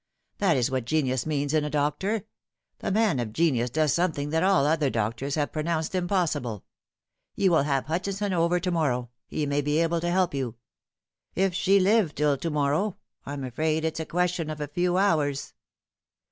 That is what genius means in a doctor. The man of genius does something that all other doctors have pronounced impossible. You will have Hutchinson over to morrow. He may be able to help you." " If she live till to morrow. I'm afraid it's a question of a few hours."